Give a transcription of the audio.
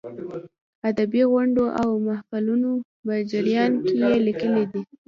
ادبي غونډو او محفلونو په جریان کې یې لیکلې دي.